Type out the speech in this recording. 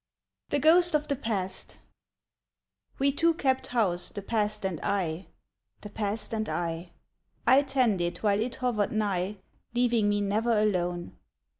THE GHOST OF THE PAST WE two kept house, the Past and I, The Past and I; I tended while it hovered nigh, Leaving me never alone.